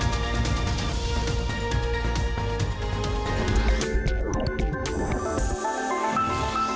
สวัสดีครับ